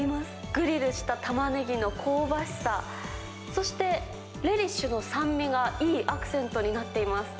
グリルしたタマネギの香ばしさ、そしてレリッシュの酸味が、いいアクセントになっています。